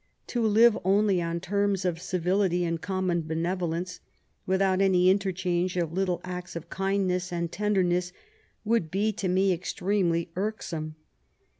To live only on terms of civility and com mon benevolence, without any interchange of little acts of kindness and tenderness, would be to me ex tremely irksome.''